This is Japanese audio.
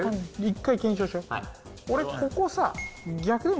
俺ここさ。